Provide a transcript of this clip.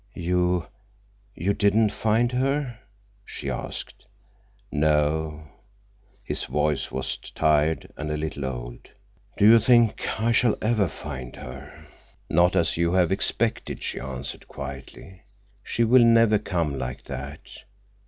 "You—you didn't find her?" she asked. "No." His voice was tired and a little old. "Do you think I shall ever find her?" "Not as you have expected," she answered quietly. "She will never come like that."